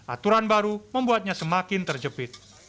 aturan baru membuatnya semakin terjepit